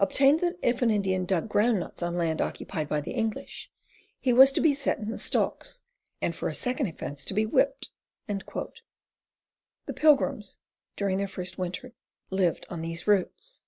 ordained that if an Indian dug ground nuts on land occupied by the English, he was to be set in the stocks, and for a second offence, to be whipped." The Pilgrims, during their first winter, lived on these roots.